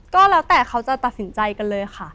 ก็แล้วแต่เขาจะตัดสินใจกันเลยค่ะ